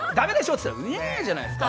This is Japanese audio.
っつったら「ウェーン」じゃないですか。